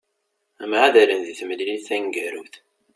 Mεadalen di temlilit taneggarut.